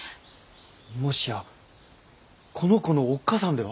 もしやこの子のおっかさんでは？